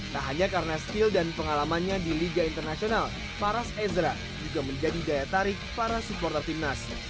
tak hanya karena skill dan pengalamannya di liga internasional paras ezra juga menjadi daya tarik para supporter timnas